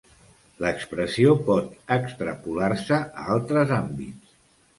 L'expressió pot extrapolar-se a altres àmbits.